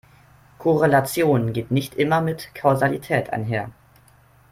Korrelation geht nicht immer mit Kausalität einher.